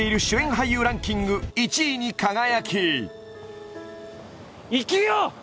俳優ランキング１位に輝き生きよう